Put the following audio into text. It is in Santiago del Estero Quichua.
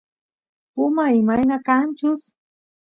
puma imayna kanchus